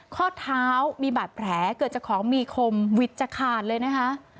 ข้อเท้ามีบาดแผลเกิดจากของมีคมวิทย์จะขาดเลยนะคะ